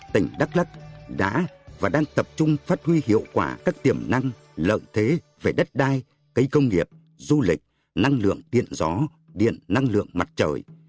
tỉnh đắk lắc đã và đang tập trung phát huy hiệu quả các tiềm năng lợi thế về đất đai cây công nghiệp du lịch năng lượng điện gió điện năng lượng mặt trời